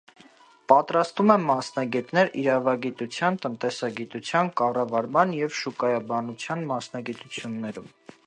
Պատրաստում է մասնագետներ իրավագիտության, տնտեսագիտության, կառավարման և շուկայաբանության մասնագիտություններում։